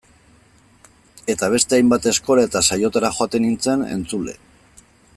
Eta beste hainbat eskola eta saiotara joaten nintzen, entzule.